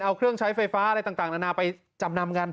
เอาเครื่องใช้ไฟฟ้าอะไรต่างนานาไปจำนำกัน